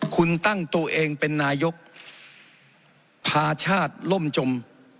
คุณตั้งตัวเองเป็นนายกพาชาติล่มจม